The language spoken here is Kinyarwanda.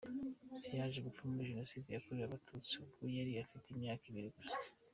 Se yaje gupfa muri Jenoside yakorewe Abatutsi ubwo yari afite imyaka ibiri gusa.